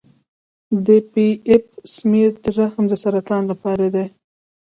د پی ایپ سمیر د رحم د سرطان لپاره دی.